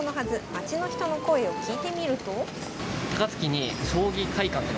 街の人の声を聞いてみると。